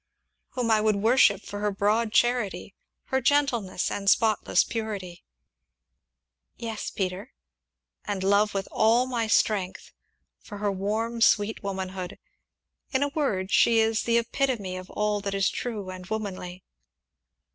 "Whom I would worship for her broad charity, her gentleness, and spotless purity." "Yes, Peter." "And love with all my strength, for her warm, sweet womanhood in a word, she is the epitome of all that is true and womanly!"